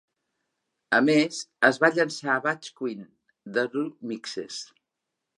A més, es va llançar Butch Queen: The Ru-Mixes.